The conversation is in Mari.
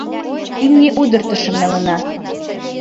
Имне удыртышым налына.